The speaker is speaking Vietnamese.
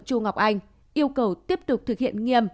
chu ngọc anh yêu cầu tiếp tục thực hiện nghiêm